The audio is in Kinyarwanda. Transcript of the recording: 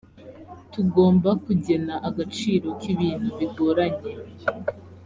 tugomba kugena agaciro k’ibintu bigoranye